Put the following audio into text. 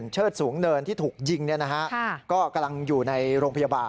เชิดสูงเนินที่ถูกยิงก็กำลังอยู่ในโรงพยาบาล